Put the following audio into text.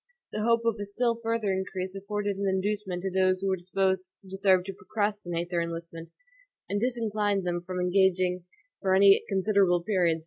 The hope of a still further increase afforded an inducement to those who were disposed to serve to procrastinate their enlistment, and disinclined them from engaging for any considerable periods.